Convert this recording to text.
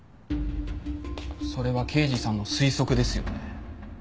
それは刑事さんの推測ですよね？